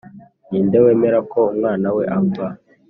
ni nde wemera ko umwana we apfa